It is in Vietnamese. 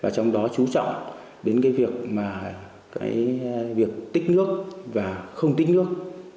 trong đó chú trọng đến việc tích nước và không tích nước